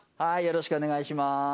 よろしくお願いします。